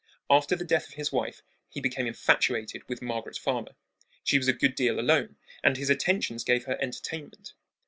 After the death of his wife he became infatuated with Margaret Farmer. She was a good deal alone, and his attentions gave her entertainment.